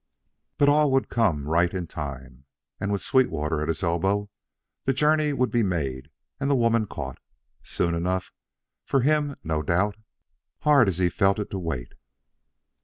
But all would come right in time; and with Sweetwater at his elbow, the journey would be made and the woman caught, soon enough for him no doubt, hard as he felt it to wait.